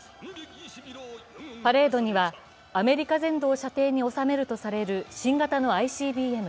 パレードにはアメリカ全土を射程に収めるとされる新型のＩＣＢＭ